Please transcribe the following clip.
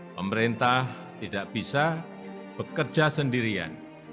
pemerintah tidak bisa bekerja sendirian